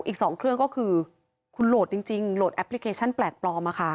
อีก๒เครื่องก็คือคุณโหลดจริงโหลดแอปพลิเคชันแปลกปลอม